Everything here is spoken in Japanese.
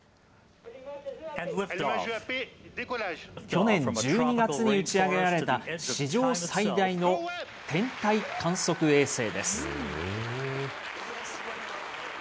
去年１２月に打ち上げられた、史上最大の天体観測衛星です。